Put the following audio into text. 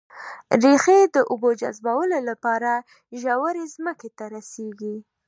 ريښې د اوبو جذبولو لپاره ژورې ځمکې ته رسېږي